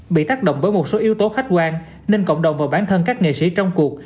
bị tác động bởi một số yếu tố khách quan nên cộng đồng và bản thân các nghệ sĩ trong cuộc